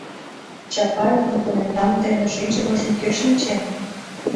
Чапаевын комендант дене шинчымыжым кӧ шинчен.